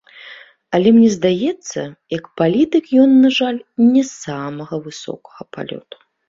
Але, мне здаецца, як палітык ён, на жаль, не самага высокага палёту.